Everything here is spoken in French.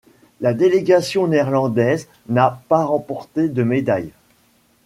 La délégation néerlandaise n'a pas remporté de médailles.